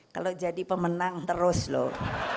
kalau jadi pemenang terus loh